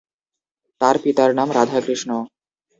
তার পিতার নাম রাধাকৃষ্ণ।